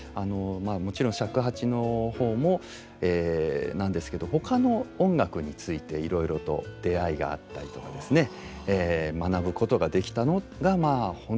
もろちん尺八の方もなんですけどほかの音楽についていろいろと出会いがあったりとかですね学ぶことができたのがまあ本当に大きかったと思います。